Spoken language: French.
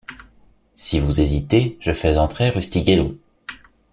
Si vous hésitez, je fais entrer Rustighello.